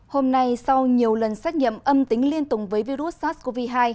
hôm nay sau nhiều lần xét nghiệm âm tính liên tùng với virus sars cov hai